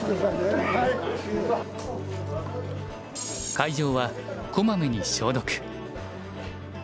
会場はこまめに消毒。